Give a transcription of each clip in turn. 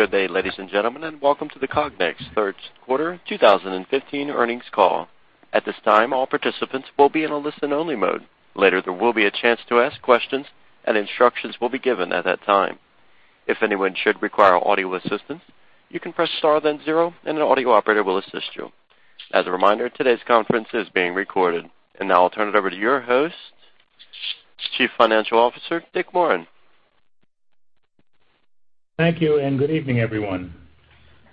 Good day, ladies and gentlemen, and welcome to the Cognex third quarter 2015 earnings call. At this time, all participants will be in a listen-only mode. Later, there will be a chance to ask questions, and instructions will be given at that time. If anyone should require audio assistance, you can press star then zero, and an audio operator will assist you. As a reminder, today's conference is being recorded. Now I'll turn it over to your host, Chief Financial Officer, Dick Morin. Thank you, and good evening, everyone.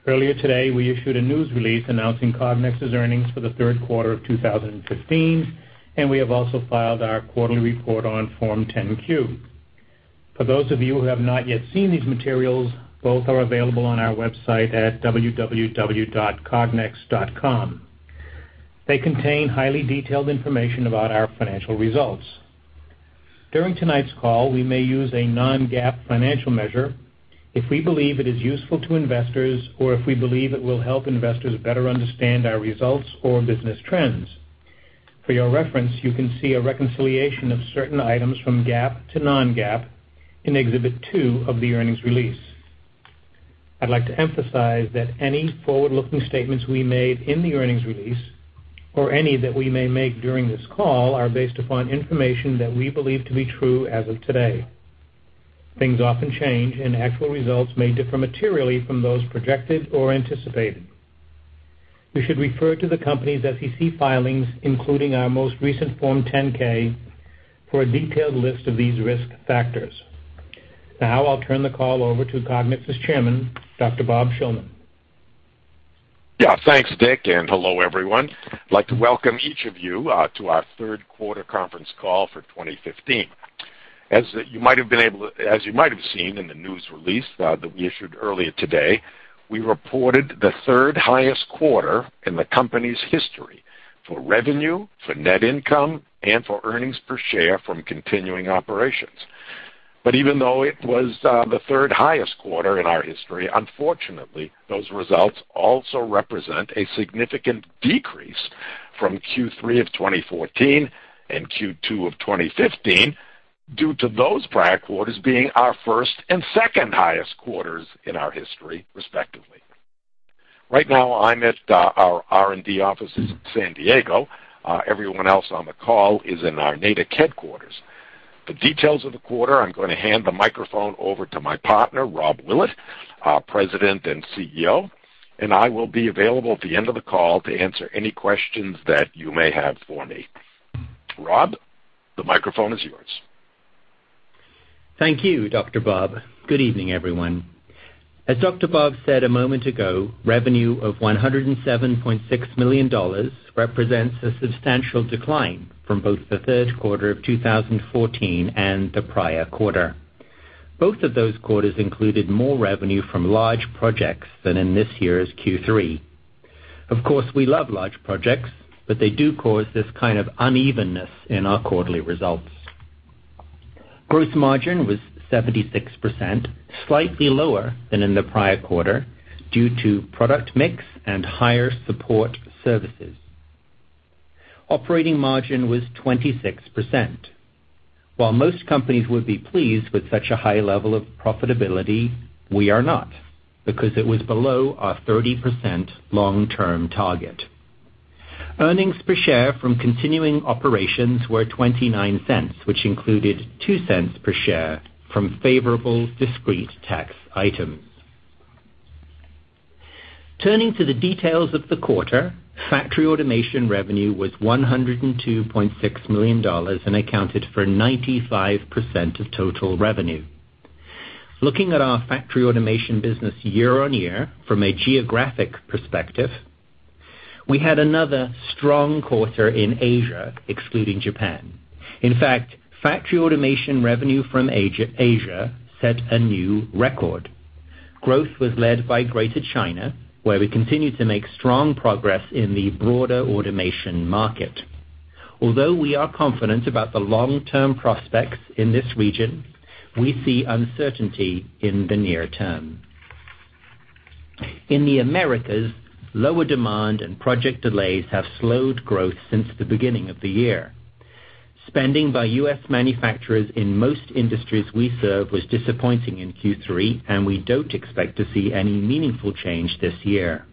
Earlier today, we issued a news release announcing Cognex's earnings for the third quarter of 2015, and we have also filed our quarterly report on Form 10-Q. For those of you who have not yet seen these materials, both are available on our website at www.cognex.com. They contain highly detailed information about our financial results. During tonight's call, we may use a non-GAAP financial measure if we believe it is useful to investors or if we believe it will help investors better understand our results or business trends. For your reference, you can see a reconciliation of certain items from GAAP to non-GAAP in Exhibit 2 of the earnings release. I'd like to emphasize that any forward-looking statements we made in the earnings release, or any that we may make during this call, are based upon information that we believe to be true as of today. Things often change, and actual results may differ materially from those projected or anticipated. You should refer to the company's SEC filings, including our most recent Form 10-K, for a detailed list of these risk factors. Now, I'll turn the call over to Cognex's Chairman, Dr. Bob Shillman. Yeah, thanks, Dick, and hello, everyone. I'd like to welcome each of you to our third quarter conference call for 2015. As you might have seen in the news release that we issued earlier today, we reported the third highest quarter in the company's history for revenue, for net income, and for earnings per share from continuing operations. But even though it was the third highest quarter in our history, unfortunately, those results also represent a significant decrease from Q3 of 2014 and Q2 of 2015 due to those prior quarters being our first and second highest quarters in our history, respectively. Right now, I'm at our R&D offices in San Diego. Everyone else on the call is in our Natick headquarters. For details of the quarter, I'm going to hand the microphone over to my partner, Rob Willett, President and CEO, and I will be available at the end of the call to answer any questions that you may have for me. Rob, the microphone is yours. Thank you, Dr. Bob. Good evening, everyone. As Dr. Bob said a moment ago, revenue of $107.6 million represents a substantial decline from both the third quarter of 2014 and the prior quarter. Both of those quarters included more revenue from large projects than in this year's Q3. Of course, we love large projects, but they do cause this kind of unevenness in our quarterly results. Gross margin was 76%, slightly lower than in the prior quarter due to product mix and higher support services. Operating margin was 26%. While most companies would be pleased with such a high level of profitability, we are not, because it was below our 30% long-term target. Earnings per share from continuing operations were $0.29, which included $0.02 per share from favorable discrete tax items. Turning to the details of the quarter, factory automation revenue was $102.6 million and accounted for 95% of total revenue. Looking at our factory automation business year-on-year from a geographic perspective, we had another strong quarter in Asia, excluding Japan. In fact, factory automation revenue from Asia set a new record. Growth was led by Greater China, where we continued to make strong progress in the broader automation market. Although we are confident about the long-term prospects in this region, we see uncertainty in the near term. In the Americas, lower demand and project delays have slowed growth since the beginning of the year. Spending by U.S. manufacturers in most industries we serve was disappointing in Q3, and we don't expect to see any meaningful change this year.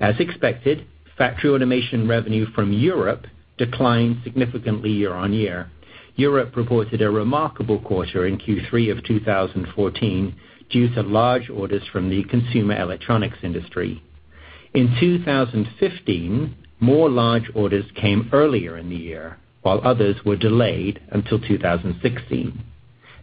As expected, factory automation revenue from Europe declined significantly year-on-year. Europe reported a remarkable quarter in Q3 of 2014 due to large orders from the consumer electronics industry. In 2015, more large orders came earlier in the year, while others were delayed until 2016.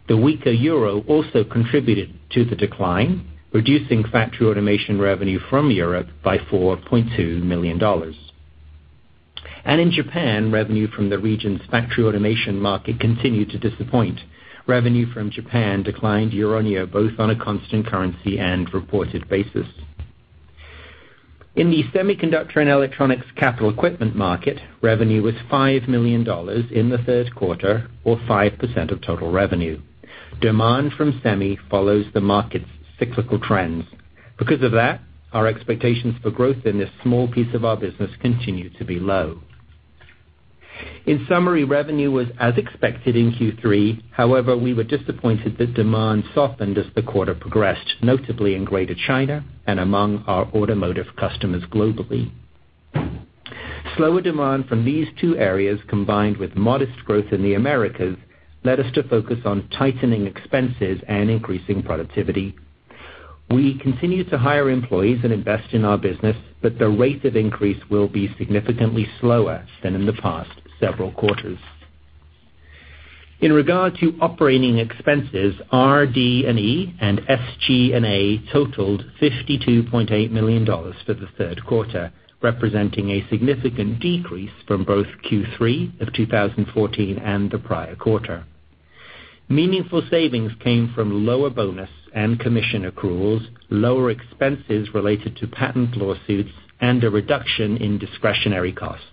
The weaker euro also contributed to the decline, reducing factory automation revenue from Europe by $4.2 million. In Japan, revenue from the region's factory automation market continued to disappoint. Revenue from Japan declined year-on-year, both on a constant currency and reported basis. In the semiconductor and electronics capital equipment market, revenue was $5 million in the third quarter, or 5% of total revenue. Demand from semi follows the market's cyclical trends. Because of that, our expectations for growth in this small piece of our business continue to be low. In summary, revenue was as expected in Q3. However, we were disappointed that demand softened as the quarter progressed, notably in Greater China and among our automotive customers globally. Slower demand from these two areas, combined with modest growth in the Americas, led us to focus on tightening expenses and increasing productivity. We continue to hire employees and invest in our business, but the rate of increase will be significantly slower than in the past several quarters. In regard to operating expenses, RD&E and SG&A totaled $52.8 million for the third quarter, representing a significant decrease from both Q3 of 2014 and the prior quarter. Meaningful savings came from lower bonus and commission accruals, lower expenses related to patent lawsuits, and a reduction in discretionary costs.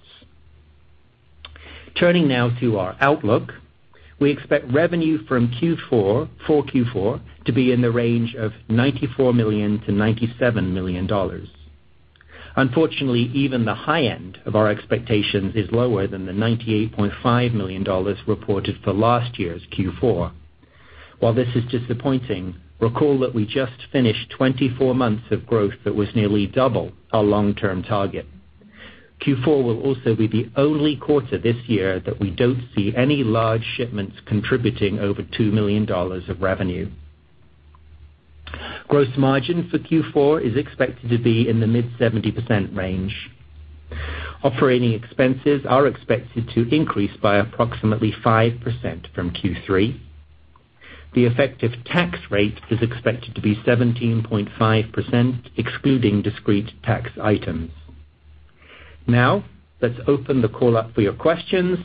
Turning now to our outlook, we expect revenue from Q4 for Q4 to be in the range of $94 million-$97 million. Unfortunately, even the high end of our expectations is lower than the $98.5 million reported for last year's Q4. While this is disappointing, recall that we just finished 24 months of growth that was nearly double our long-term target. Q4 will also be the only quarter this year that we don't see any large shipments contributing over $2 million of revenue. Gross margin for Q4 is expected to be in the mid-70% range. Operating expenses are expected to increase by approximately 5% from Q3. The effective tax rate is expected to be 17.5%, excluding discrete tax items. Now, let's open the call up for your questions.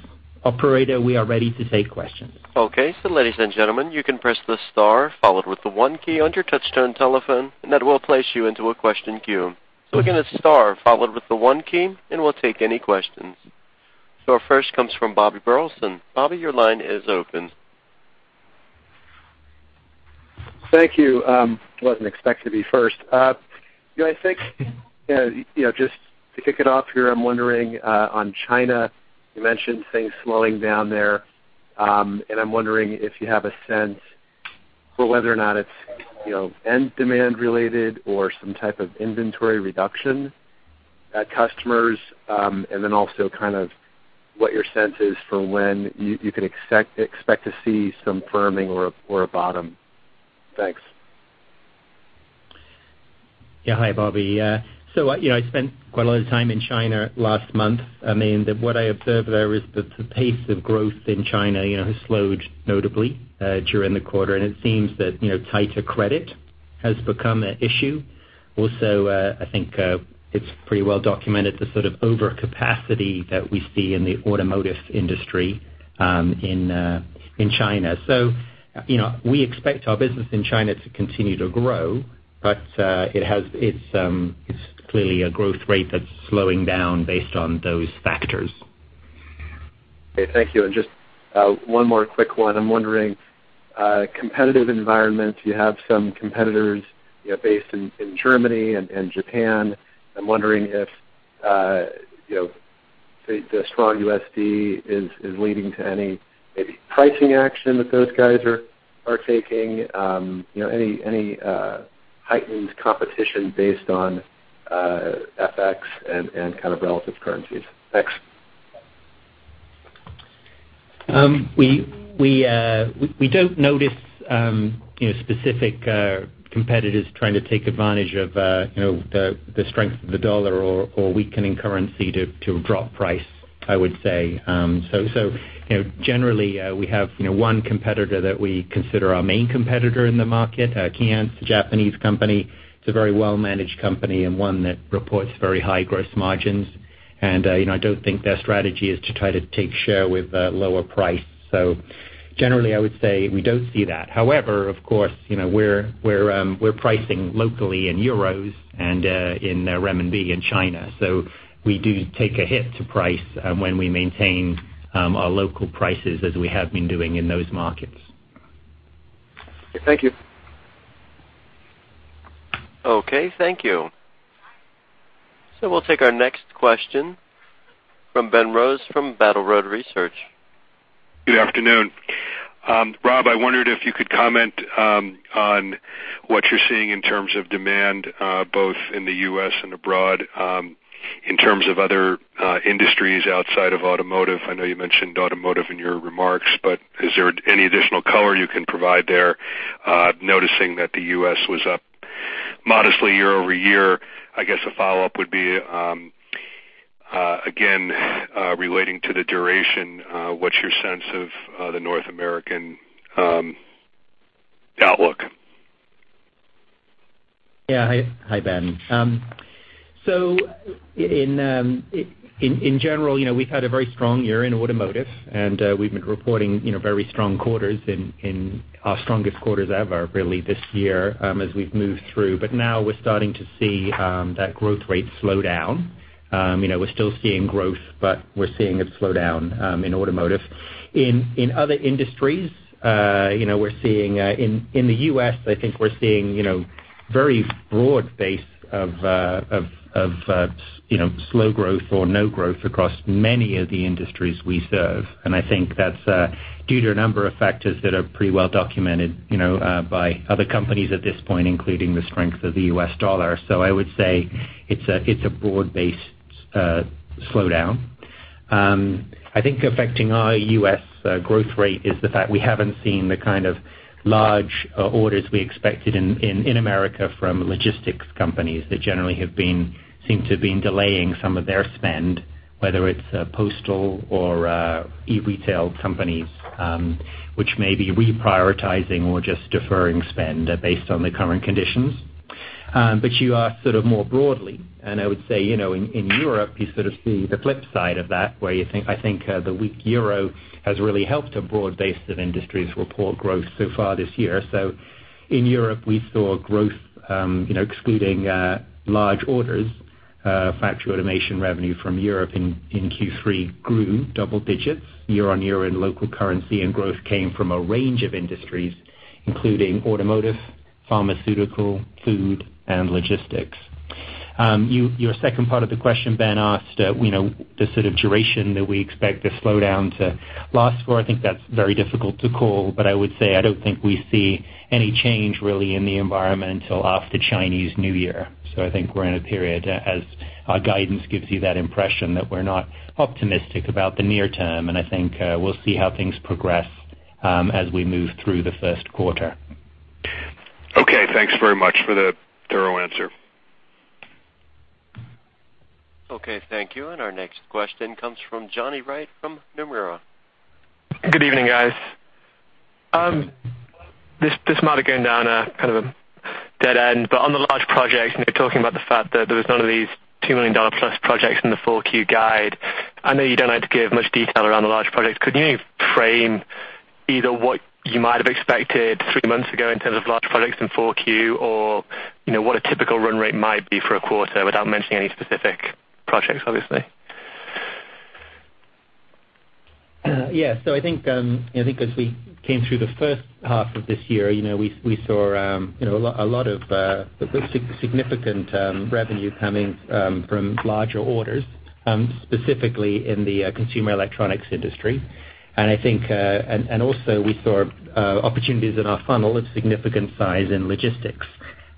Operator, we are ready to take questions. Okay, so ladies and gentlemen, you can press the star followed by the one key on your touch-tone telephone, and that will place you into a question queue. So we're going to star followed by the one key, and we'll take any questions. So our first comes from Bobby Burleson. Bobby, your line is open. Thank you. I wasn't expecting to be first. You know, I think, you know, just to kick it off here, I'm wondering, on China, you mentioned things slowing down there, and I'm wondering if you have a sense for whether or not it's, you know, end-demand related or some type of inventory reduction at customers, and then also kind of what your sense is for when you can expect to see some firming or a bottom. Thanks. Yeah, hi, Bobby. So, you know, I spent quite a lot of time in China last month. I mean, what I observed there is that the pace of growth in China, you know, has slowed notably during the quarter, and it seems that, you know, tighter credit has become an issue. Also, I think it's pretty well documented the sort of overcapacity that we see in the automotive industry in China. So, you know, we expect our business in China to continue to grow, but it's clearly a growth rate that's slowing down based on those factors. Okay, thank you. Just one more quick one. I'm wondering, competitive environments, you have some competitors based in Germany and Japan. I'm wondering if, you know, the strong USD is leading to any maybe pricing action that those guys are taking, you know, any heightened competition based on FX and kind of relative currencies. Thanks. We don't notice, you know, specific competitors trying to take advantage of, you know, the strength of the dollar or weakening currency to drop price, I would say. So, you know, generally, we have, you know, one competitor that we consider our main competitor in the market, Keyence, a Japanese company. It's a very well-managed company and one that reports very high gross margins. And, you know, I don't think their strategy is to try to take share with lower price. So, generally, I would say we don't see that. However, of course, you know, we're pricing locally in euros and in renminbi in China. So, we do take a hit to price when we maintain our local prices as we have been doing in those markets. Thank you. Okay, thank you. So we'll take our next question from Ben Rose from Battle Road Research. Good afternoon. Rob, I wondered if you could comment on what you're seeing in terms of demand, both in the U.S. and abroad, in terms of other industries outside of automotive. I know you mentioned automotive in your remarks, but is there any additional color you can provide there? Noticing that the U.S. was up modestly year-over-year, I guess a follow-up would be, again, relating to the duration, what's your sense of the North American outlook? Yeah, hi, Ben. So, in general, you know, we've had a very strong year in automotive, and we've been reporting, you know, very strong quarters in our strongest quarters ever, really, this year as we've moved through. But now we're starting to see that growth rate slow down. You know, we're still seeing growth, but we're seeing it slow down in automotive. In other industries, you know, we're seeing in the U.S., I think we're seeing, you know, very broad base of, you know, slow growth or no growth across many of the industries we serve. And I think that's due to a number of factors that are pretty well documented, you know, by other companies at this point, including the strength of the US dollar. So, I would say it's a broad-based slowdown. I think affecting our U.S. growth rate is the fact we haven't seen the kind of large orders we expected in America from logistics companies that generally have been seem to have been delaying some of their spend, whether it's postal or e-retail companies, which may be reprioritizing or just deferring spend based on the current conditions. But you are sort of more broadly, and I would say, you know, in Europe, you sort of see the flip side of that where you think, I think the weak euro has really helped a broad base of industries report growth so far this year. So, in Europe, we saw growth, you know, excluding large orders, factory automation revenue from Europe in Q3 grew double digits year-on-year in local currency, and growth came from a range of industries, including automotive, pharmaceutical, food, and logistics. Your second part of the question, Ben, asked, you know, the sort of duration that we expect the slowdown to last for. I think that's very difficult to call, but I would say I don't think we see any change really in the environment until after Chinese New Year. So, I think we're in a period as our guidance gives you that impression that we're not optimistic about the near term, and I think we'll see how things progress as we move through the first quarter. Okay, thanks very much for the thorough answer. Okay, thank you. And our next question comes from Jonny Wright from Nomura. Good evening, guys. This might have gone down kind of a dead end, but on the large projects, and you're talking about the fact that there was none of these $2+ million projects in the 4Q guide. I know you don't like to give much detail around the large projects. Could you frame either what you might have expected three months ago in terms of large projects in 4Q, or, you know, what a typical run rate might be for a quarter without mentioning any specific projects, obviously? Yeah, so I think, you know, I think as we came through the first half of this year, you know, we saw, you know, a lot of significant revenue coming from larger orders, specifically in the consumer electronics industry. And I think, and also we saw opportunities in our funnel of significant size in logistics.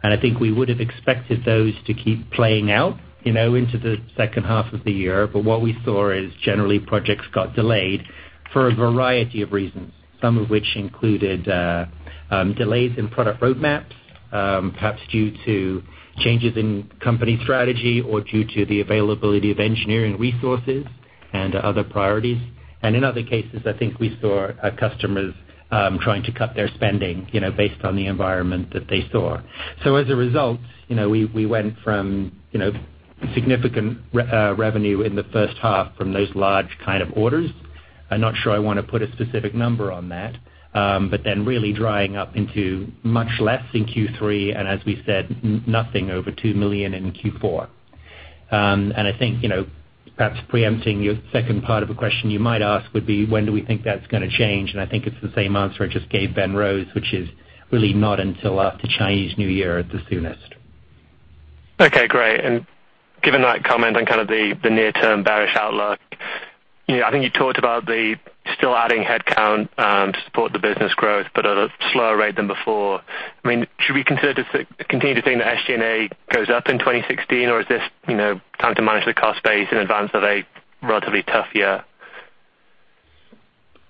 And I think we would have expected those to keep playing out, you know, into the second half of the year, but what we saw is generally projects got delayed for a variety of reasons, some of which included delays in product roadmaps, perhaps due to changes in company strategy or due to the availability of engineering resources and other priorities. And in other cases, I think we saw customers trying to cut their spending, you know, based on the environment that they saw. So, as a result, you know, we went from, you know, significant revenue in the first half from those large kind of orders. I'm not sure I want to put a specific number on that, but then really drying up into much less in Q3, and as we said, nothing over $2 million in Q4. And I think, you know, perhaps preempting your second part of a question you might ask would be, when do we think that's going to change? And I think it's the same answer I just gave Ben Rose, which is really not until after Chinese New Year at the soonest. Okay, great. And given that comment on kind of the near-term bearish outlook, you know, I think you talked about the still adding headcount to support the business growth, but at a slower rate than before. I mean, should we consider to continue to think that SG&A goes up in 2016, or is this, you know, time to manage the cost base in advance of a relatively tough year?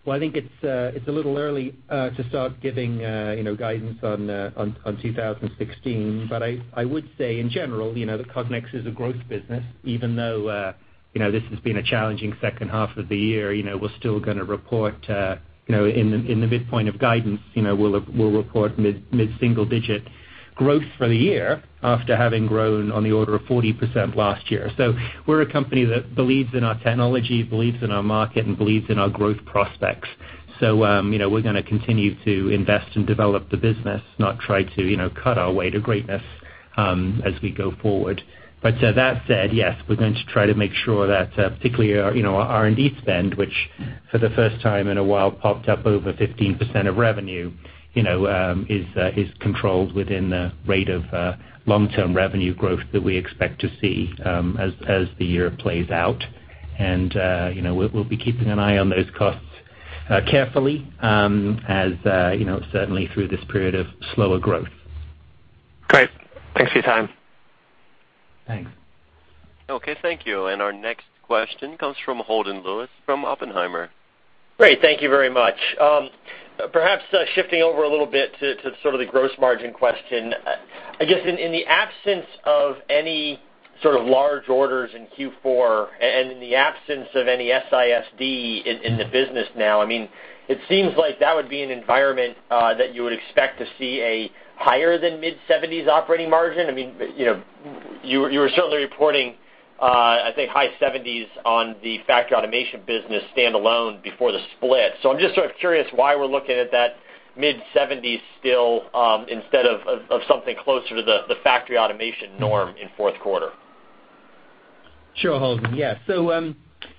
Well, I think it's a little early to start giving, you know, guidance on 2016, but I would say in general, you know, that Cognex is a growth business, even though, you know, this has been a challenging second half of the year, you know, we're still going to report, you know, in the midpoint of guidance, you know, we'll report mid-single digit growth for the year after having grown on the order of 40% last year. So, we're a company that believes in our technology, believes in our market, and believes in our growth prospects. So, you know, we're going to continue to invest and develop the business, not try to, you know, cut our way to greatness as we go forward. But that said, yes, we're going to try to make sure that particularly, you know, our R&D spend, which for the first time in a while popped up over 15% of revenue, you know, is controlled within the rate of long-term revenue growth that we expect to see as the year plays out. And, you know, we'll be keeping an eye on those costs carefully as, you know, certainly through this period of slower growth. Great. Thanks for your time. Thanks. Okay, thank you. Our next question comes from Holden Lewis from Oppenheimer. Great, thank you very much. Perhaps shifting over a little bit to sort of the gross margin question, I guess in the absence of any sort of large orders in Q4 and in the absence of any SISD in the business now, I mean, it seems like that would be an environment that you would expect to see a higher than mid-70s operating margin. I mean, you know, you were certainly reporting, I think, high 70s on the factory automation business standalone before the split. So, I'm just sort of curious why we're looking at that mid-70s still instead of something closer to the factory automation norm in fourth quarter. Sure, Holden. Yeah, so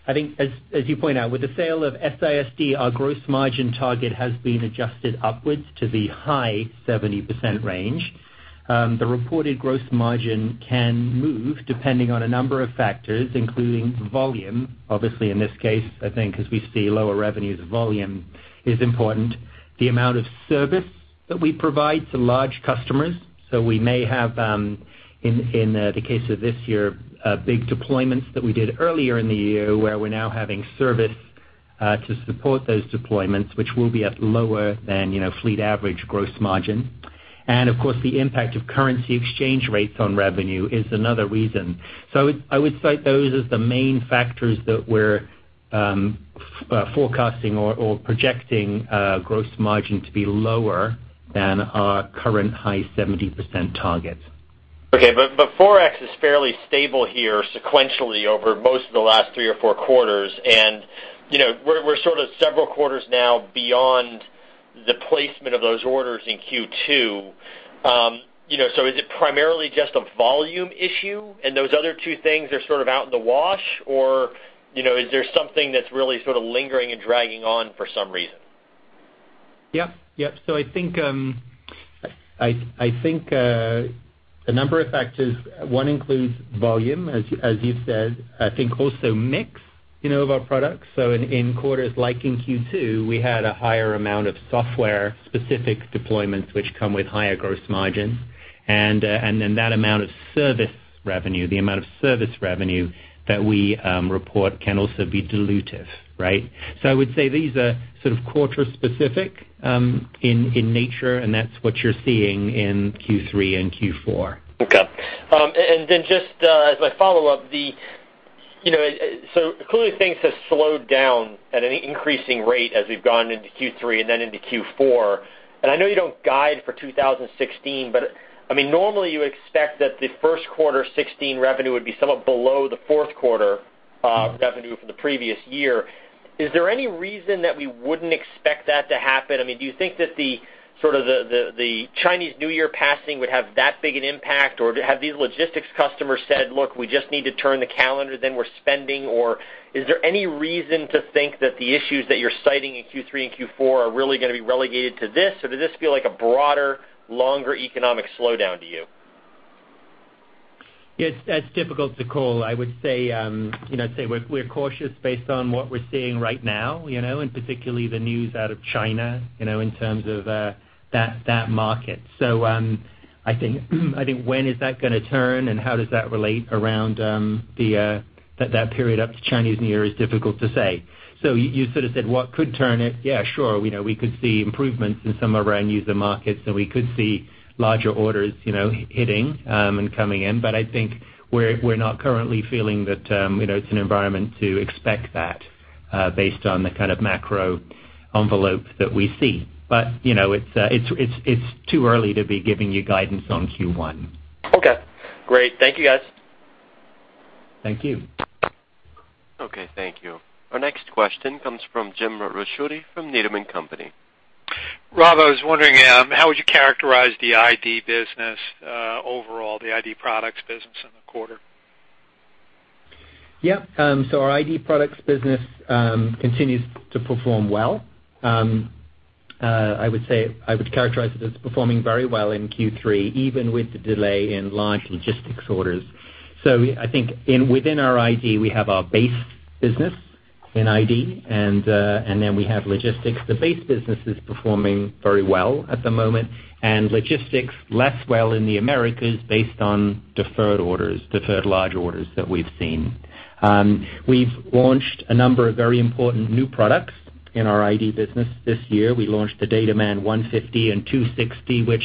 I think as you point out, with the sale of SISD, our gross margin target has been adjusted upwards to the high 70% range. The reported gross margin can move depending on a number of factors, including volume. Obviously, in this case, I think as we see lower revenues, volume is important. The amount of service that we provide to large customers. So, we may have, in the case of this year, big deployments that we did earlier in the year where we're now having service to support those deployments, which will be at lower than, you know, fleet average gross margin. And, of course, the impact of currency exchange rates on revenue is another reason. So, I would cite those as the main factors that we're forecasting or projecting gross margin to be lower than our current high 70% target. Okay, but Forex is fairly stable here sequentially over most of the last three or four quarters. And, you know, we're sort of several quarters now beyond the placement of those orders in Q2. You know, so, is it primarily just a volume issue and those other two things are sort of out in the wash, or, you know, is there something that's really sort of lingering and dragging on for some reason? Yep, yep. So, I think a number of factors. One includes volume, as you said. I think also mix, you know, of our products. So, in quarters like in Q2, we had a higher amount of software-specific deployments, which come with higher gross margins. And then that amount of service revenue, the amount of service revenue that we report, can also be dilutive, right? So, I would say these are sort of quarter-specific in nature, and that's what you're seeing in Q3 and Q4. Okay. And then just as my follow-up, the, you know, so clearly things have slowed down at an increasing rate as we've gone into Q3 and then into Q4. And I know you don't guide for 2016, but I mean, normally you expect that the first quarter 2016 revenue would be somewhat below the fourth quarter revenue from the previous year. Is there any reason that we wouldn't expect that to happen? I mean, do you think that the sort of the Chinese New Year passing would have that big an impact, or have these logistics customers said, "Look, we just need to turn the calendar, then we're spending," or is there any reason to think that the issues that you're citing in Q3 and Q4 are really going to be relegated to this, or does this feel like a broader, longer economic slowdown to you? Yeah, it's difficult to call. I would say, you know, I'd say we're cautious based on what we're seeing right now, you know, and particularly the news out of China, you know, in terms of that market. So, I think when is that going to turn and how does that relate around that period up to Chinese New Year is difficult to say. So, you sort of said what could turn it, yeah, sure, you know, we could see improvements in some of our end markets, and we could see larger orders, you know, hitting and coming in. But I think we're not currently feeling that, you know, it's an environment to expect that based on the kind of macro envelope that we see. But, you know, it's too early to be giving you guidance on Q1. Okay, great. Thank you, guys. Thank you. Okay, thank you. Our next question comes from Jim Ricchiuti from Needham & Company. Rob, I was wondering, how would you characterize the ID business overall, the ID products business in the quarter? Yep, so our ID products business continues to perform well. I would say I would characterize it as performing very well in Q3, even with the delay in large logistics orders. So, I think within our ID, we have our base business in ID, and then we have logistics. The base business is performing very well at the moment, and logistics less well in the Americas based on deferred orders, deferred large orders that we've seen. We've launched a number of very important new products in our ID business this year. We launched the DataMan 150 and 260, which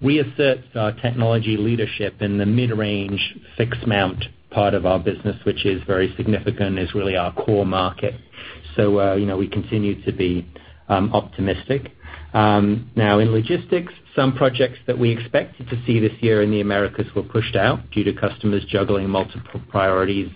reasserts our technology leadership in the mid-range fixed mount part of our business, which is very significant and is really our core market. So, you know, we continue to be optimistic. Now, in logistics, some projects that we expected to see this year in the Americas were pushed out due to customers juggling multiple priorities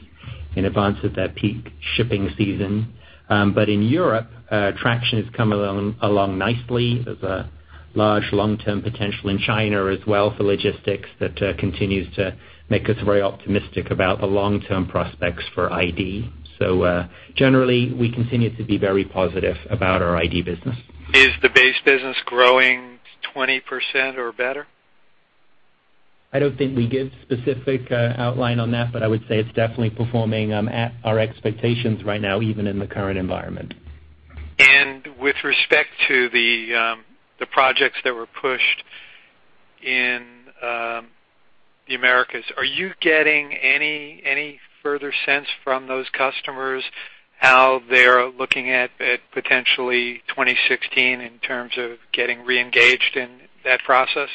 in advance of their peak shipping season. But in Europe, traction has come along nicely. There's a large long-term potential in China as well for logistics that continues to make us very optimistic about the long-term prospects for ID. So, generally, we continue to be very positive about our ID business. Is the base business growing 20% or better? I don't think we give specific outline on that, but I would say it's definitely performing at our expectations right now, even in the current environment. With respect to the projects that were pushed in the Americas, are you getting any further sense from those customers how they're looking at potentially 2016 in terms of getting re-engaged in that process?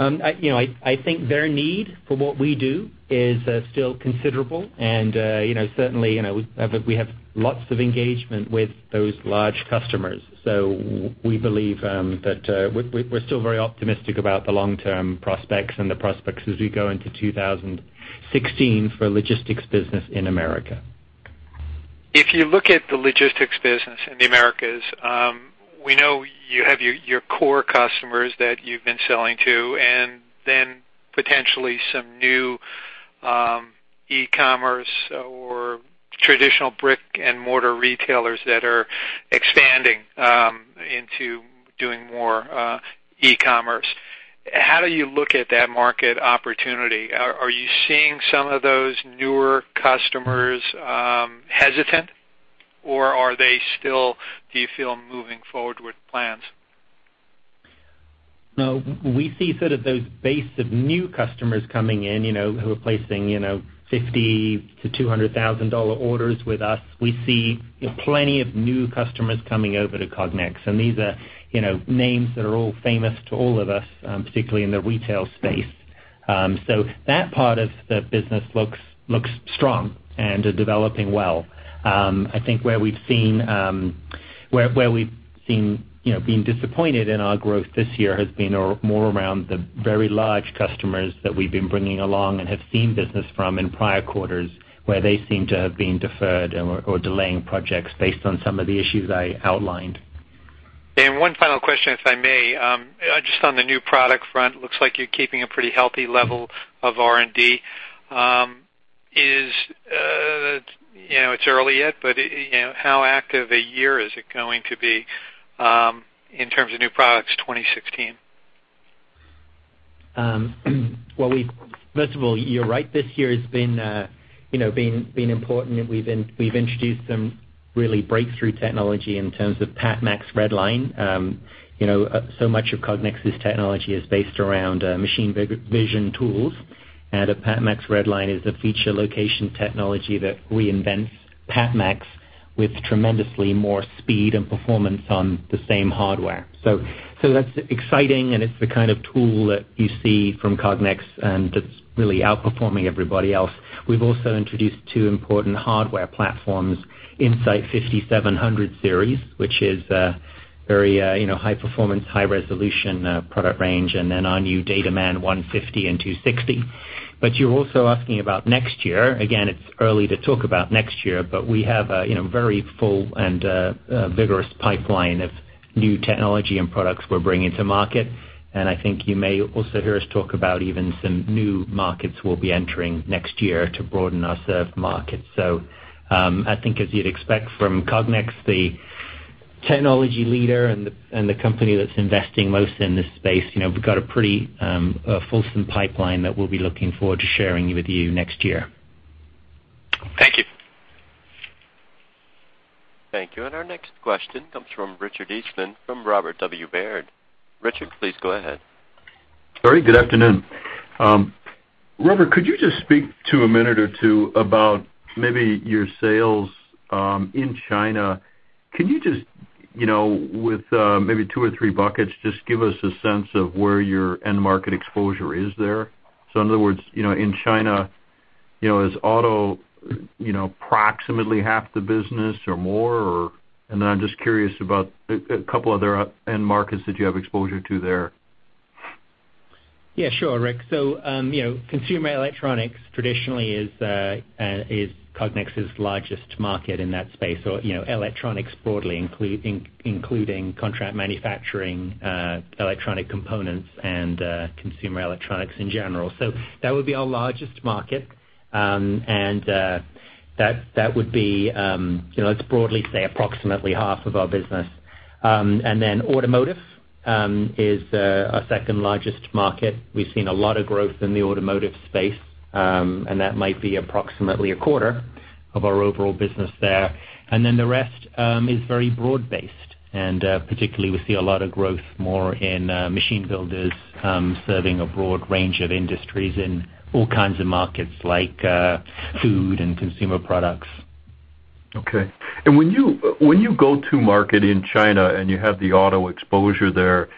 You know, I think their need for what we do is still considerable, and, you know, certainly, you know, we have lots of engagement with those large customers. So, we believe that, we're still very optimistic about the long-term prospects and the prospects as we go into 2016 for logistics business in America. If you look at the logistics business in the Americas, we know you have your core customers that you've been selling to, and then potentially some new e-commerce or traditional brick-and-mortar retailers that are expanding into doing more e-commerce. How do you look at that market opportunity? Are you seeing some of those newer customers hesitant, or are they still, do you feel, moving forward with plans? No, we see sort of those base of new customers coming in, you know, who are placing, you know, $50,000-$200,000 orders with us. We see plenty of new customers coming over to Cognex, and these are, you know, names that are all famous to all of us, particularly in the retail space. So, that part of the business looks strong and developing well. I think where we've seen, where we've seen, you know, being disappointed in our growth this year has been more around the very large customers that we've been bringing along and have seen business from in prior quarters where they seem to have been deferred or delaying projects based on some of the issues I outlined. One final question, if I may, just on the new product front, it looks like you're keeping a pretty healthy level of R&D. Is, you know, it's early yet, but, you know, how active a year is it going to be in terms of new products 2016? Well, first of all, you're right. This year has been, you know, been important. We've introduced some really breakthrough technology in terms of PatMax RedLine. You know, so much of Cognex's technology is based around machine vision tools, and a PatMax RedLine is a feature location technology that reinvents PatMax with tremendously more speed and performance on the same hardware. So, that's exciting, and it's the kind of tool that you see from Cognex, and it's really outperforming everybody else. We've also introduced two important hardware platforms, In-Sight 5700 series, which is a very, you know, high-performance, high-resolution product range, and then our new DataMan 150 and 260. But you're also asking about next year. Again, it's early to talk about next year, but we have a, you know, very full and vigorous pipeline of new technology and products we're bringing to market. I think you may also hear us talk about even some new markets we'll be entering next year to broaden our served market. I think as you'd expect from Cognex, the technology leader and the company that's investing most in this space, you know, we've got a pretty fulsome pipeline that we'll be looking forward to sharing with you next year. Thank you. Thank you. And our next question comes from Richard Eastman from Robert W. Baird. Richard, please go ahead. Sorry, good afternoon. Robert, could you just speak to a minute or two about maybe your sales in China? Can you just, you know, with maybe two or three buckets, just give us a sense of where your end market exposure is there? So, in other words, you know, in China, you know, is auto, you know, approximately half the business or more? And then I'm just curious about a couple other end markets that you have exposure to there. Yeah, sure, Rick. So, you know, consumer electronics traditionally is Cognex's largest market in that space, or, you know, electronics broadly, including contract manufacturing, electronic components, and consumer electronics in general. So, that would be our largest market, and that would be, you know, let's broadly say approximately half of our business. And then automotive is our second largest market. We've seen a lot of growth in the automotive space, and that might be approximately a quarter of our overall business there. And then the rest is very broad-based, and particularly we see a lot of growth more in machine builders serving a broad range of industries in all kinds of markets like food and consumer products. Okay. And when you go to market in China and you have the auto exposure there,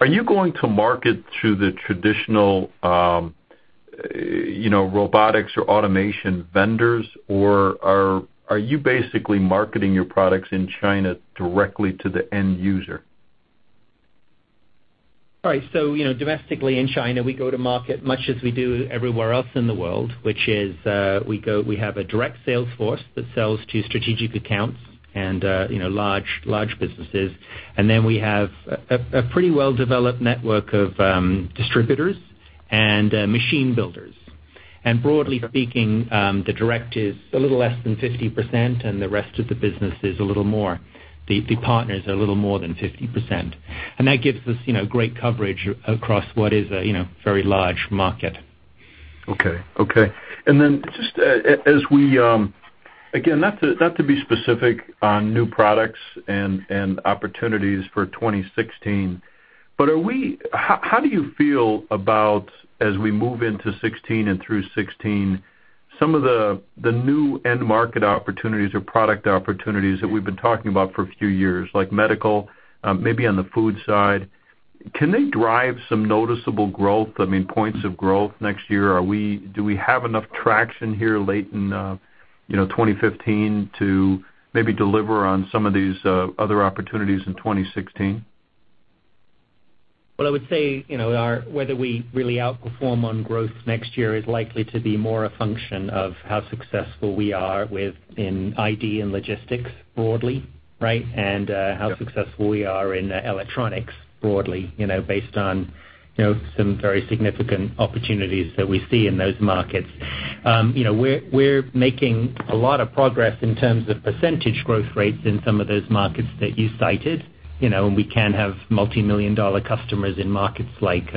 are you going to market through the traditional, you know, robotics or automation vendors, or are you basically marketing your products in China directly to the end user? Right. So, you know, domestically in China, we go to market much as we do everywhere else in the world, which is we have a direct sales force that sells to strategic accounts and, you know, large businesses. And then we have a pretty well-developed network of distributors and machine builders. And broadly speaking, the direct is a little less than 50%, and the rest of the business is a little more. The partners are a little more than 50%. And that gives us, you know, great coverage across what is a, you know, very large market. Okay, okay. And then just as we, again, not to be specific on new products and opportunities for 2016, but are we, how do you feel about as we move into 2016 and through 2016, some of the new end-market opportunities or product opportunities that we've been talking about for a few years, like medical, maybe on the food side, can they drive some noticeable growth, I mean, points of growth next year? Do we have enough traction here late in, you know, 2015 to maybe deliver on some of these other opportunities in 2016? Well, I would say, you know, whether we really outperform on growth next year is likely to be more a function of how successful we are within ID and logistics broadly, right, and how successful we are in electronics broadly, you know, based on, you know, some very significant opportunities that we see in those markets. You know, we're making a lot of progress in terms of percentage growth rates in some of those markets that you cited, you know, and we can have multi-million dollar customers in markets like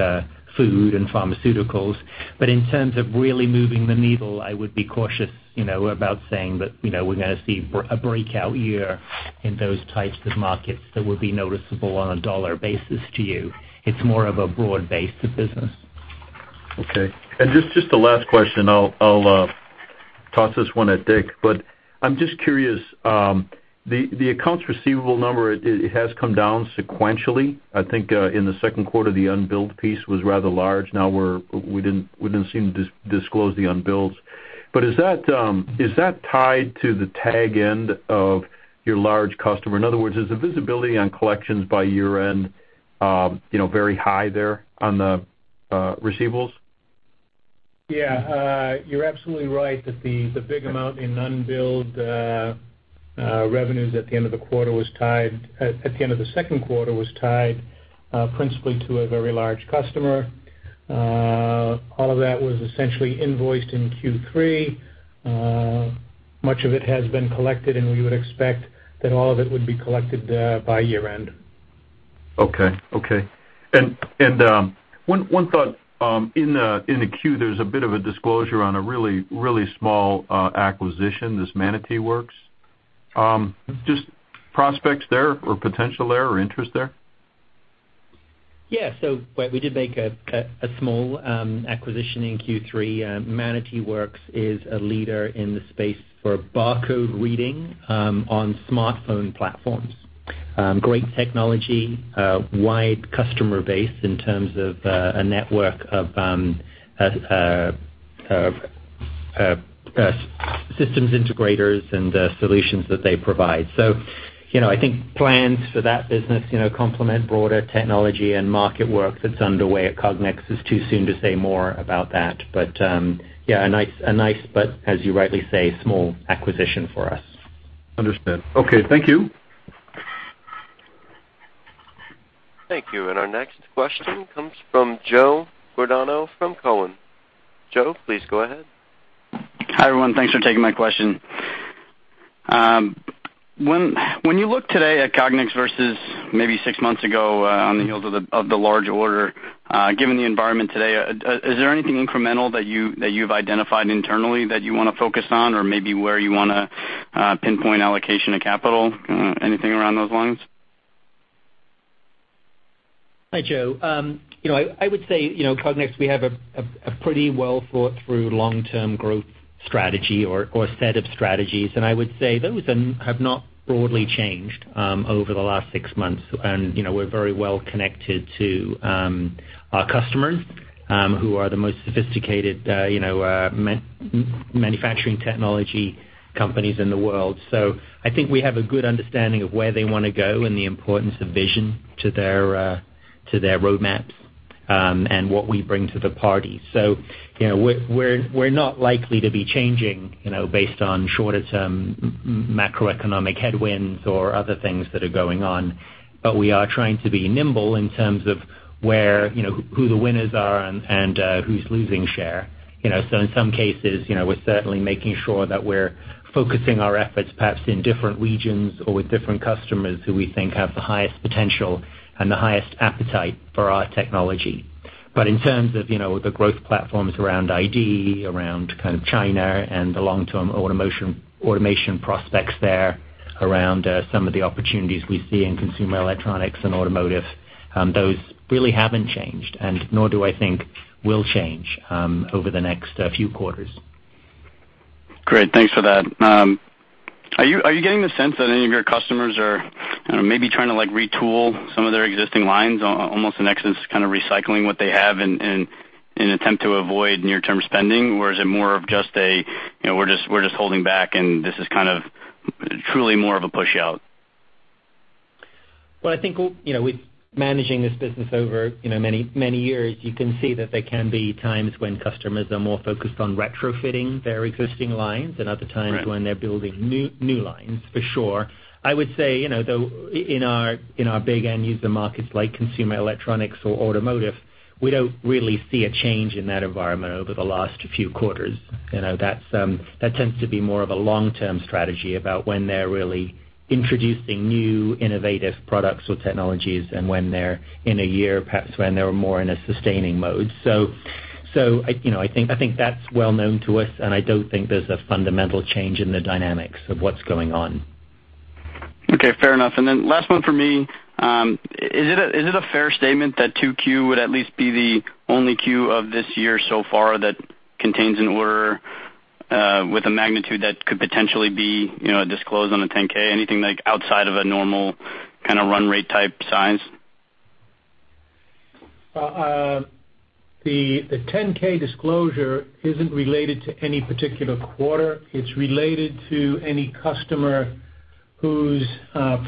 food and pharmaceuticals. But in terms of really moving the needle, I would be cautious, you know, about saying that, you know, we're going to see a breakout year in those types of markets that would be noticeable on a dollar basis to you. It's more of a broad-based business. Okay. And just the last question, I'll toss this one at Dick, but I'm just curious, the accounts receivable number, it has come down sequentially. I think in the second quarter, the unbilled piece was rather large. Now, we didn't seem to disclose the unbilled. But is that tied to the tail end of your large customer? In other words, is the visibility on collections by year end, you know, very high there on the receivables? Yeah, you're absolutely right that the big amount in unbilled revenues at the end of the quarter was tied, at the end of the second quarter was tied principally to a very large customer. All of that was essentially invoiced in Q3. Much of it has been collected, and we would expect that all of it would be collected by year end. Okay, okay. And one thought, in the Q, there's a bit of a disclosure on a really, really small acquisition, this Manatee Works. Just prospects there or potential there or interest there? Yeah, so we did make a small acquisition in Q3. Manatee Works is a leader in the space for barcode reading on smartphone platforms. Great technology, wide customer base in terms of a network of systems integrators and solutions that they provide. So, you know, I think plans for that business, you know, complement broader technology and market work that's underway at Cognex. It's too soon to say more about that, but yeah, a nice, but as you rightly say, small acquisition for us. Understood. Okay, thank you. Thank you. Our next question comes from Joe Giordano from Cowen. Joe, please go ahead. Hi everyone. Thanks for taking my question. When you look today at Cognex versus maybe six months ago on the heels of the large order, given the environment today, is there anything incremental that you've identified internally that you want to focus on or maybe where you want to pinpoint allocation of capital? Anything around those lines? Hi Joe. You know, I would say, you know, Cognex, we have a pretty well thought-through long-term growth strategy or a set of strategies, and I would say those have not broadly changed over the last six months. You know, we're very well connected to our customers who are the most sophisticated, you know, manufacturing technology companies in the world. So, I think we have a good understanding of where they want to go and the importance of vision to their roadmaps and what we bring to the party. So, you know, we're not likely to be changing, you know, based on shorter-term macroeconomic headwinds or other things that are going on, but we are trying to be nimble in terms of where, you know, who the winners are and who's losing share. You know, so in some cases, you know, we're certainly making sure that we're focusing our efforts perhaps in different regions or with different customers who we think have the highest potential and the highest appetite for our technology. But in terms of, you know, the growth platforms around ID, around kind of China and the long-term automation prospects there, around some of the opportunities we see in consumer electronics and automotive, those really haven't changed, and nor do I think will change over the next few quarters. Great, thanks for that. Are you getting the sense that any of your customers are maybe trying to like retool some of their existing lines, almost in excess, kind of recycling what they have in an attempt to avoid near-term spending, or is it more of just a, you know, we're just holding back and this is kind of truly more of a push-out? Well, I think, you know, with managing this business over, you know, many years, you can see that there can be times when customers are more focused on retrofitting their existing lines and other times when they're building new lines, for sure. I would say, you know, though in our big end-user markets like consumer electronics or automotive, we don't really see a change in that environment over the last few quarters. You know, that tends to be more of a long-term strategy about when they're really introducing new innovative products or technologies and when they're in a year, perhaps when they're more in a sustaining mode. So, you know, I think that's well known to us, and I don't think there's a fundamental change in the dynamics of what's going on. Okay, fair enough. And then last one for me, is it a fair statement that Q2 would at least be the only Q of this year so far that contains an order with a magnitude that could potentially be, you know, a disclosure on a 10-K? Anything like outside of a normal kind of run rate type size? Well, the 10-K disclosure isn't related to any particular quarter. It's related to any customer whose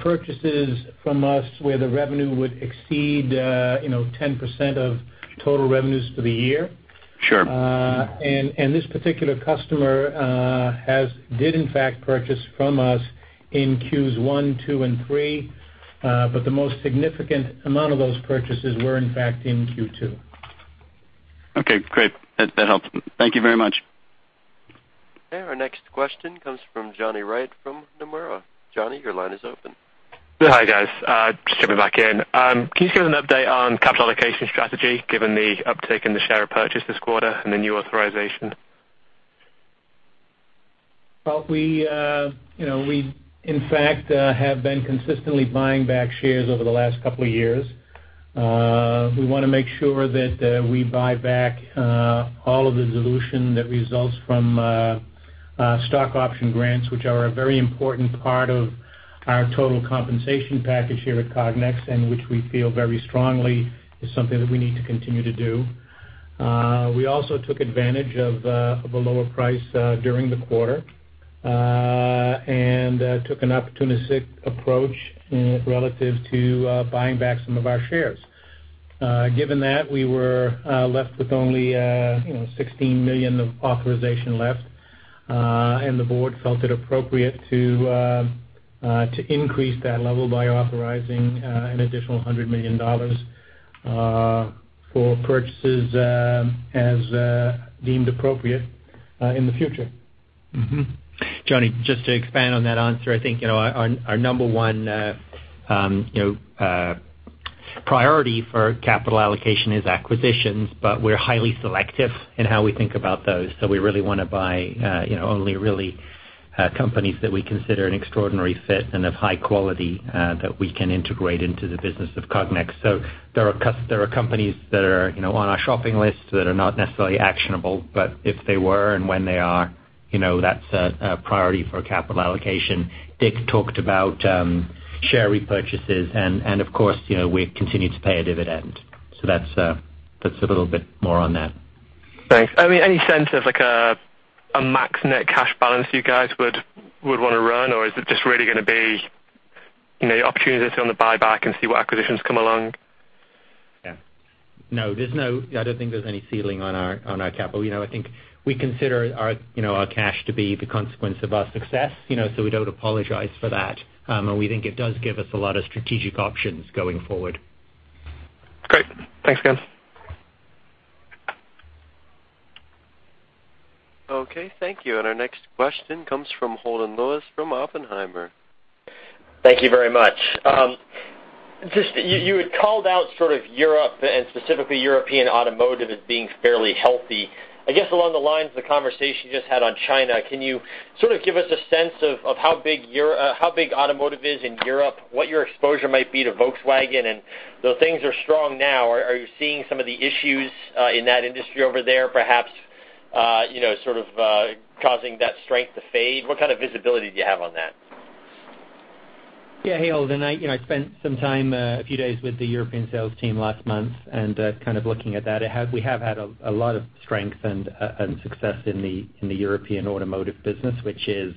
purchases from us where the revenue would exceed, you know, 10% of total revenues for the year. Sure. This particular customer did in fact purchase from us in Q1, Q2, and Q3, but the most significant amount of those purchases were in fact in Q2. Okay, great. That helps. Thank you very much. Our next question comes from Jonny Wright from Nomura. Jonny, your line is open. Hi guys, just jumping back in. Can you give us an update on capital allocation strategy given the uptick in the share repurchase this quarter and the new authorization? Well, we, you know, we in fact have been consistently buying back shares over the last couple of years. We want to make sure that we buy back all of the dilution that results from stock option grants, which are a very important part of our total compensation package here at Cognex and which we feel very strongly is something that we need to continue to do. We also took advantage of a lower price during the quarter and took an opportunistic approach relative to buying back some of our shares. Given that, we were left with only, you know, $16 million of authorization left, and the board felt it appropriate to increase that level by authorizing an additional $100 million for purchases as deemed appropriate in the future. Jonny, just to expand on that answer, I think, you know, our number one, you know, priority for capital allocation is acquisitions, but we're highly selective in how we think about those. So we really want to buy, you know, only really companies that we consider an extraordinary fit and of high quality that we can integrate into the business of Cognex. So there are companies that are, you know, on our shopping list that are not necessarily actionable, but if they were and when they are, you know, that's a priority for capital allocation. Dick talked about share repurchases and, of course, you know, we continue to pay a dividend. So that's a little bit more on that. Thanks. I mean, any sense of like a max net cash balance you guys would want to run, or is it just really going to be, you know, opportunity to sit on the buyback and see what acquisitions come along? Yeah. No, there's no, I don't think there's any ceiling on our capital. You know, I think we consider our, you know, our cash to be the consequence of our success, you know, so we don't apologize for that. And we think it does give us a lot of strategic options going forward. Great. Thanks again. Okay, thank you. And our next question comes from Holden Lewis from Oppenheimer. Thank you very much. Just, you had called out sort of Europe and specifically European automotive as being fairly healthy. I guess along the lines of the conversation you just had on China, can you sort of give us a sense of how big automotive is in Europe, what your exposure might be to Volkswagen? And though things are strong now, are you seeing some of the issues in that industry over there, perhaps, you know, sort of causing that strength to fade? What kind of visibility do you have on that? Yeah, hey Holden, you know, I spent some time, a few days with the European sales team last month and kind of looking at that. We have had a lot of strength and success in the European automotive business, which is,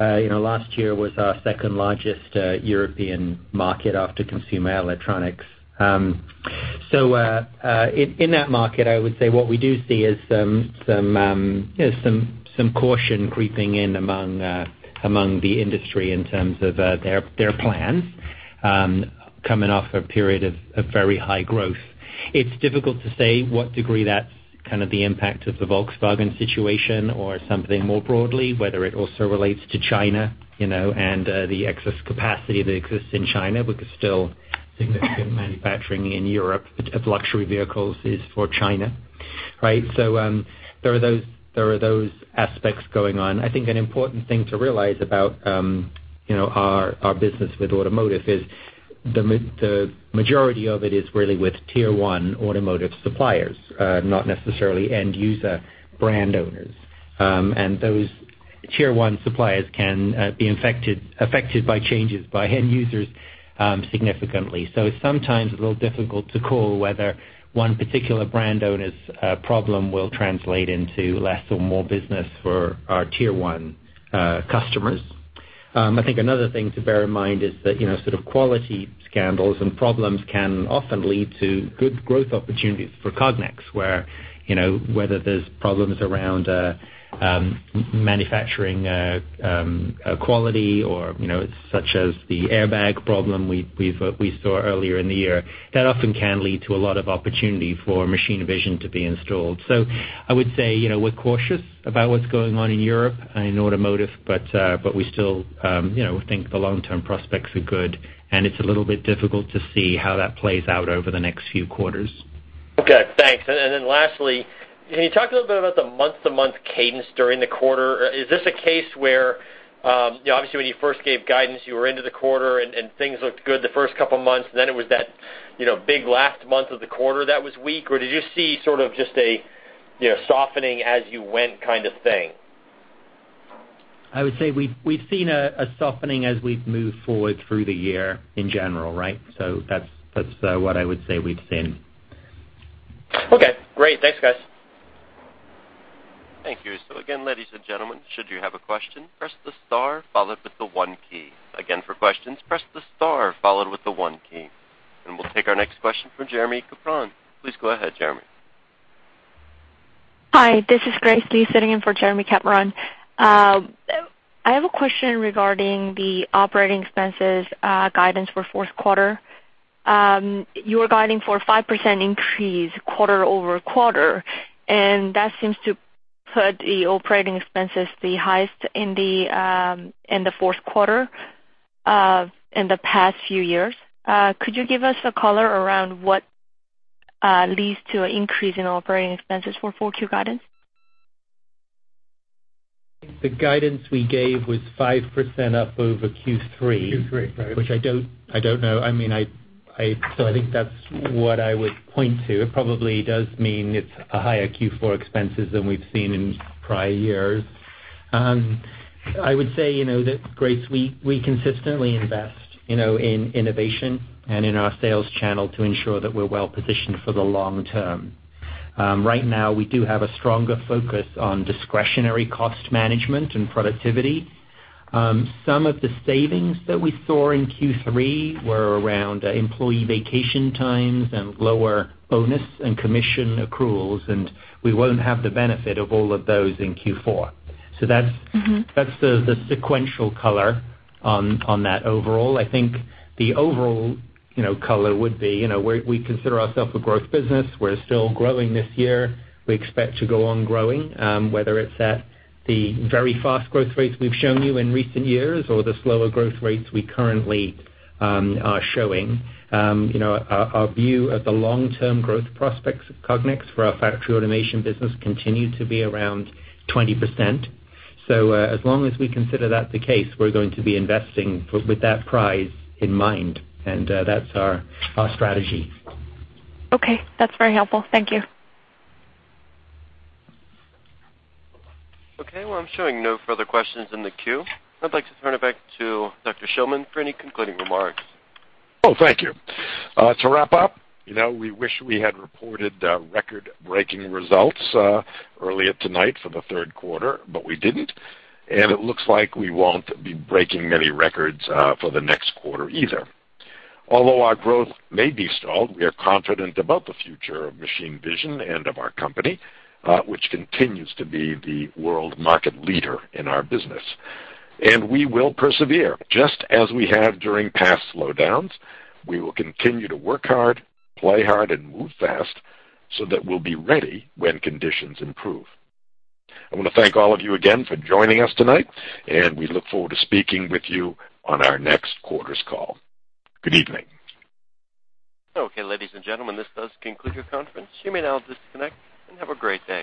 you know, last year was our second largest European market after consumer electronics. So in that market, I would say what we do see is some, you know, some caution creeping in among the industry in terms of their plans coming off a period of very high growth. It's difficult to say what degree that's kind of the impact of the Volkswagen situation or something more broadly, whether it also relates to China, you know, and the excess capacity that exists in China, because still significant manufacturing in Europe of luxury vehicles is for China, right? So there are those aspects going on. I think an important thing to realize about, you know, our business with automotive is the majority of it is really with tier-one automotive suppliers, not necessarily end user brand owners. Those tier-one suppliers can be affected by changes by end users significantly. It's sometimes a little difficult to call whether one particular brand owner's problem will translate into less or more business for our tier-one customers. I think another thing to bear in mind is that, you know, sort of quality scandals and problems can often lead to good growth opportunities for Cognex, where, you know, whether there's problems around manufacturing quality or, you know, such as the airbag problem we saw earlier in the year, that often can lead to a lot of opportunity for machine vision to be installed. I would say, you know, we're cautious about what's going on in Europe and in automotive, but we still, you know, think the long-term prospects are good, and it's a little bit difficult to see how that plays out over the next few quarters. Okay, thanks. And then lastly, can you talk a little bit about the month-to-month cadence during the quarter? Is this a case where, you know, obviously when you first gave guidance, you were into the quarter and things looked good the first couple of months, and then it was that, you know, big last month of the quarter that was weak, or did you see sort of just a, you know, softening as you went kind of thing? I would say we've seen a softening as we've moved forward through the year in general, right? So that's what I would say we've seen. Okay, great. Thanks guys. Thank you. So again, ladies and gentlemen, should you have a question, press the star followed with the one key. Again, for questions, press the star followed with the one key. And we'll take our next question from Jeremy Capron. Please go ahead, Jeremy. Hi, this is Grace Lee sitting in for Jeremy Capron. I have a question regarding the operating expenses guidance for fourth quarter. You were guiding for a 5% increase quarter-over-quarter, and that seems to put the operating expenses the highest in the fourth quarter in the past few years. Could you give us a color around what leads to an increase in operating expenses for 4Q guidance? The guidance we gave was 5% up over Q3, which I don't know. I mean, so I think that's what I would point to. It probably does mean it's a higher Q4 expenses than we've seen in prior years. I would say, you know, that Grace, we consistently invest, you know, in innovation and in our sales channel to ensure that we're well positioned for the long term. Right now, we do have a stronger focus on discretionary cost management and productivity. Some of the savings that we saw in Q3 were around employee vacation times and lower bonus and commission accruals, and we won't have the benefit of all of those in Q4. So that's the sequential color on that overall. I think the overall, you know, color would be, you know, we consider ourselves a growth business. We're still growing this year. We expect to go on growing, whether it's at the very fast growth rates we've shown you in recent years or the slower growth rates we currently are showing. You know, our view of the long-term growth prospects of Cognex for our factory automation business continue to be around 20%. So as long as we consider that the case, we're going to be investing with that prize in mind, and that's our strategy. Okay, that's very helpful. Thank you. Okay, well, I'm showing no further questions in the queue. I'd like to turn it back to Dr. Shillman for any concluding remarks. Oh, thank you. To wrap up, you know, we wish we had reported record-breaking results earlier tonight for the third quarter, but we didn't. And it looks like we won't be breaking many records for the next quarter either. Although our growth may be stalled, we are confident about the future of machine vision and of our company, which continues to be the world market leader in our business. And we will persevere just as we have during past slowdowns. We will continue to work hard, play hard, and move fast so that we'll be ready when conditions improve. I want to thank all of you again for joining us tonight, and we look forward to speaking with you on our next quarter's call. Good evening. Okay, ladies and gentlemen, this does conclude your conference. You may now disconnect and have a great day.